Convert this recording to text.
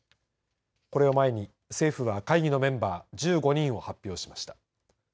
これを前に、政府は会議のメンバー１５人を発表しました。